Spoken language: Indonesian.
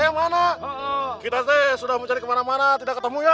yang mana kita sih sudah mencari kemana mana tidak ketemu ya